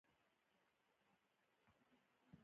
د دې کالونیو له خلکو سره رابطه غوڅه وه.